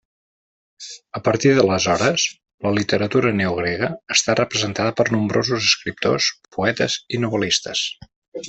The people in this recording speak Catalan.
A partir d'aleshores, la literatura neogrega està representada per nombrosos escriptors, poetes i novel·listes.